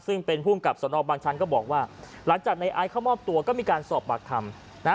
ซึ่งเป็นผู้กับสนองบางชั้นก็บอกว่าหลังจากในอายข้อมอบตัวก็มีการสอบบัตรคำ